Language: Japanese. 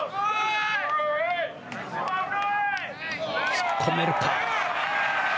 突っ込めるか。